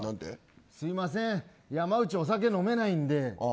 すみません山内お酒飲めないんで。